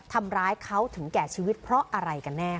ทำร้ายเขาถึงแก่ชีวิตเพราะอะไรกันแน่